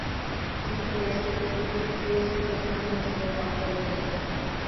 সুনেত্র গ্যাসক্ষেত্রেও তিন টিসিএফ গ্যাসের মজুত আছে বলে ধারণা করা হয়েছিল।